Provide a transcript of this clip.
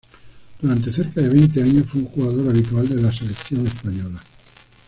Durante cerca de veinte años, fue un jugador habitual de la selección española.